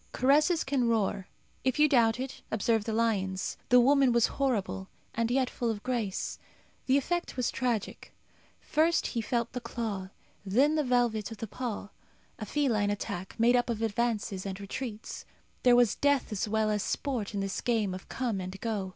Caresses can roar. If you doubt it, observe the lion's. The woman was horrible, and yet full of grace. The effect was tragic. First he felt the claw, then the velvet of the paw. A feline attack, made up of advances and retreats. There was death as well as sport in this game of come and go.